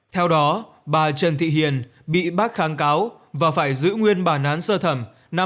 theo đó bà trần thị hiền bị bác kháng cáo và phải giữ nguyên bản án sơ thẩm năm hai nghìn một mươi chín